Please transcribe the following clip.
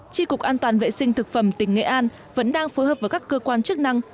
tri cục an toàn vệ sinh thực phẩm tỉnh nghệ an vẫn đang phối hợp với các cơ quan chức năng